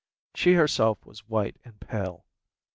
She herself was white and pale.